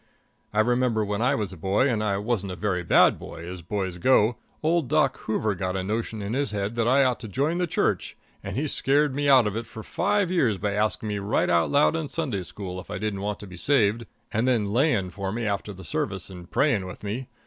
I remember when I was a boy, and I wasn't a very bad boy, as boys go, old Doc Hoover got a notion in his head that I ought to join the church, and he scared me out of it for five years by asking me right out loud in Sunday School if I didn't want to be saved, and then laying for me after the service and praying with me.